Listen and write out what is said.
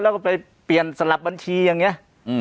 แล้วก็ไปเปลี่ยนสลับบัญชีอย่างนี้